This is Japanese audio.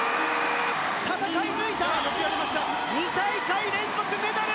戦い抜いた２大会連続メダル！